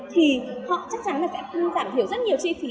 thì họ chắc chắn là sẽ giảm thiểu rất nhiều chi phí